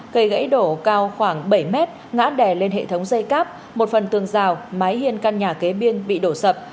cây gãy đổ cao khoảng bảy mét ngã đè lên hệ thống dây cáp một phần tường rào mái hiên căn nhà kế biên bị đổ sập